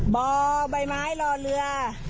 บ่อใบไม้รอเรือ